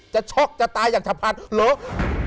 จะช็อกจะตายอย่างฉับพันธุ์เหรอ